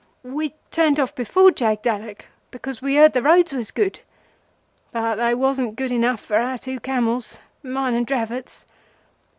We turned off before Jagdallak, because we heard the roads was good. But they wasn't good enough for our two camels—mine and Dravot's.